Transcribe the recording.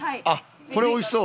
これおいしそう！